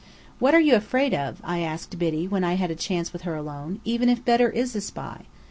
"What are you afraid of," I asked Biddy when I had a chance with her alone, "even if Bedr is a spy?